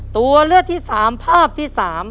ตัวเลือกที่๓ภาพที่๓